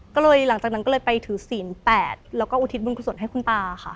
ก็เลยหลังจากนั้นก็เลยไปถือศีล๘แล้วก็อุทิศบุญกุศลให้คุณตาค่ะ